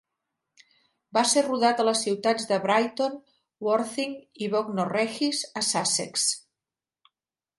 Va ser rodat a les ciutats de Brighton, Worthing i Bognor Regis, a Sussex.